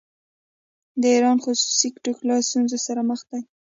د ایران خصوصي سکتور له ستونزو سره مخ دی.